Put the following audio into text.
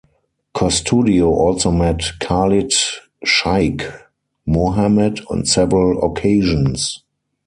Costudio also met Khalid Shaikh Mohammed on several occasions.